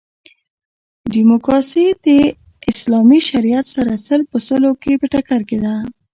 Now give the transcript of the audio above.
ډیموکاسي د اسلامي شریعت سره سل په سلو کښي په ټکر کښي ده.